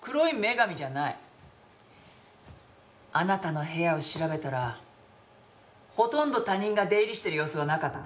あなたの部屋を調べたらほとんど他人が出入りしてる様子はなかった。